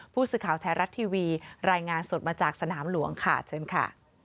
ผู้สื่อข่าวไทยรัฐทีวีรายงานสดมาจากสนามหลวงค่ะเชิญค่ะ